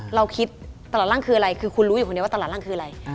ตลาดล่างคืออะไรคือคุณรู้อยู่คนนี้ว่าตลาดล่างคืออะไร